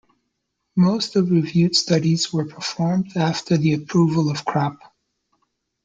Most of reviewed studies were performed after the approval of crop.